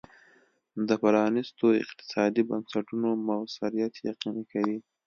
د پرانیستو اقتصادي بنسټونو موثریت یقیني کوي.